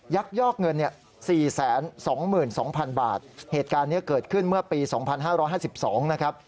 ยักยอกเงินเนี่ย๔๒๒๐๐๐บาทเหตุการณ์นี้เกิดขึ้นเมื่อปี๒๕๕๒นะครับ